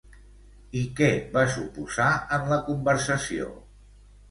I què va suposar en la conversació?